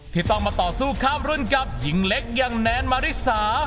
ที่ต้องมาต่อสู้ข้ามรุ่นกับหญิงเล็กอย่างแนนมาริสา